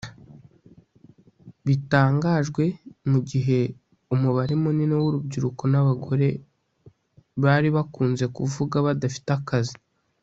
bitangajwe mu gihe umubare munini w’urubyiruko n’abagore bari bakunze kuvuga badafite akazi